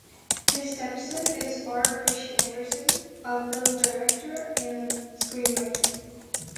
His step-son is R. Christian Anderson, a film director and screenwriter.